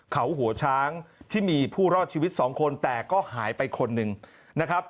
เขาหัวช้างที่มีผู้รอดชีวิตสองคนแต่ก็หายไปคนหนึ่งนะครับ